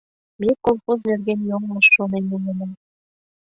— Ме колхоз нерген йоҥылыш шонен улына...